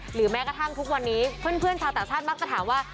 แม้กระทั่งทุกวันนี้เพื่อนชาวต่างชาติมักจะถามว่า